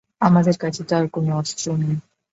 আমাদের কাছে তো আর কোনো অস্ত্র নেই।